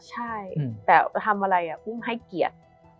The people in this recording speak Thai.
ใช่แต่จะทำอะไรกุ้งให้เกียรติ